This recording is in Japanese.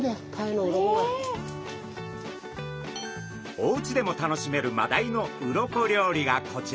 おうちでも楽しめるマダイの鱗料理がこちら。